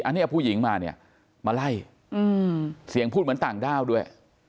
อันนี้เอาผู้หญิงมาเนี่ยมาไล่เสียงพูดเหมือนต่างด้าวด้วย